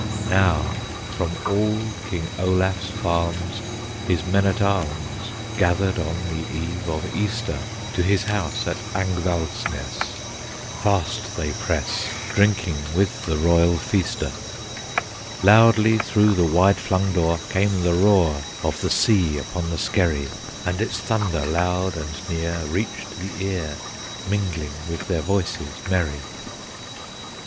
Now from all King Olaf's farms His men at arms Gathered on the Eve of Easter; To his house at Angvalds ness Fast they press, Drinking with the royal feaster. Loudly through the wide flung door Came the roar Of the sea upon the Skerry; And its thunder loud and near Reached the ear, Mingling with their voices merry.